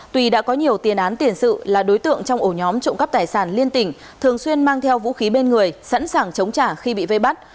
tuy đã có nhiều tiền án tiền sự là đối tượng trong ổ nhóm trộm cắp tài sản liên tỉnh thường xuyên mang theo vũ khí bên người sẵn sàng chống trả khi bị vây bắt